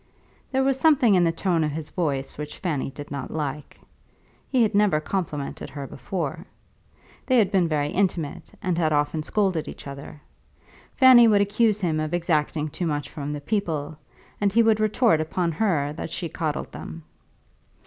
There was something in the tone of his voice which Fanny did not like. He had never complimented her before. They had been very intimate and had often scolded each other. Fanny would accuse him of exacting too much from the people, and he would retort upon her that she coddled them.